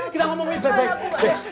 kita ngomongin baik baik